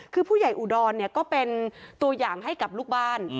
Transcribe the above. คือผู้ใหญ่อุดรก็เป็นตัวอย่างให้กับลูกบ้าน